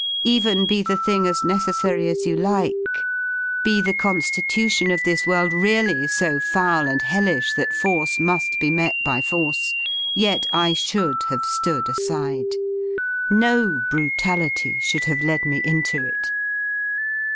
Even be the thing as necessary as you like, be the con^itution of this world really so foul and hellish that force mu^ be met by force, yet I should have stood aside, no brutality should have led me into it.